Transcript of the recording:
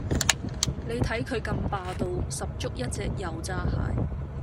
你睇佢咁霸道，十足一隻油炸蟹